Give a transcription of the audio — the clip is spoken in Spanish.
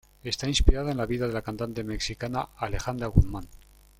Está inspirada en la vida de la cantante mexicana Alejandra Guzmán.